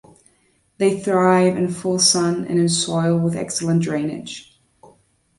They thrive in full sun and in soil with excellent drainage.